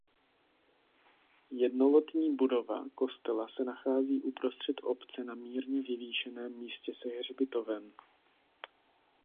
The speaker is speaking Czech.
Jednolodní budova kostela se nachází uprostřed obce na mírně vyvýšeném místě se hřbitovem.